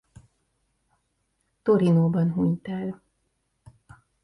Torinóban hunyt el.